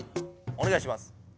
おねがいします！